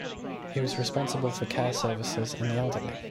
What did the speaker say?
He was responsible for care services and the elderly.